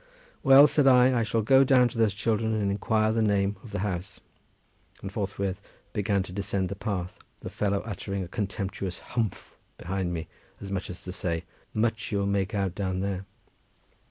"Well," said I, "I shall go down to those children and inquire the name of the house," and I forthwith began to descend the path, the fellow uttering a contemptuous "humph" behind me, as much as to say, much you'll make out down there.